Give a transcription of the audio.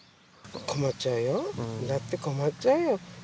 困っちゃうよ、だって困っちゃうよ。